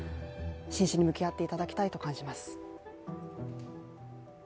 真摯に向き合っていただきたいと感じます。